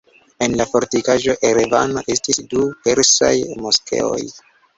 En la fortikaĵo Erevano estis du persaj moskeoj.